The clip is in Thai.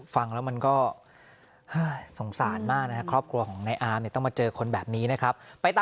ฟังแล้วมันก็สงสารมากนะครับครอบครัวของนายอามต้องมาเจอคนแบบนี้นะครับ